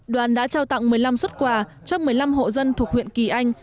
đoàn đã trao tặng một mươi năm xuất quà cho một mươi năm hộ dân thuộc huyện kỳ anh